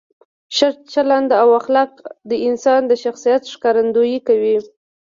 ښه چلند او اخلاق د انسان د شخصیت ښکارندویي کوي.